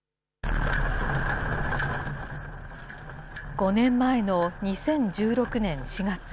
５年前の２０１６年４月。